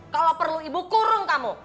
kalau perlu ibu kurung kamu